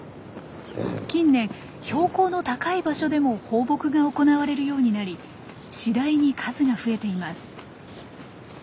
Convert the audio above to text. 近年標高の高い場所でも放牧が行われるようになり次第に数が増えています。